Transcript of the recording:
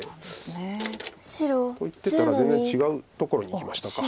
と言ってたら全然違うところにいきましたか。